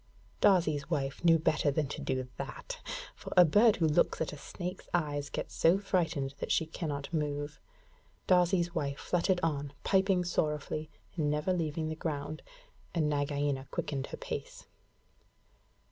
Darzee's wife knew better than to do that, for a bird who looks at a snake's eyes gets so frightened that she cannot move. Darzee's wife fluttered on, piping sorrowfully, and never leaving the ground, and Nagaina quickened her pace.